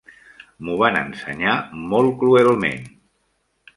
M'ho van ensenyar molt cruelment.